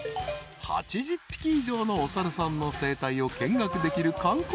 ［８０匹以上のお猿さんの生態を見学できる観光名所］